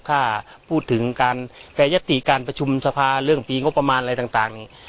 ถ้าพูดถึงการแปรยติการประชุมสภาเรื่องปีงบประมาณอะไรต่างนี่